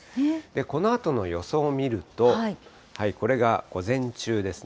このあとの予想を見ると、これが午前中ですね。